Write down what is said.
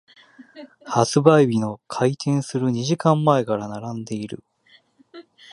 発売日の開店する二時間前から並んでいる。